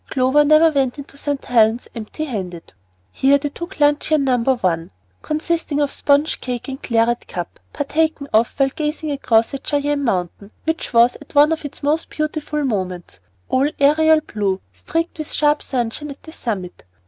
Clover never went into St. Helen's empty handed. Here they took luncheon No. 1, consisting of sponge cake and claret cup, partaken of while gazing across at Cheyenne Mountain, which was at one of its most beautiful moments, all aerial blue streaked with sharp sunshine at the summit.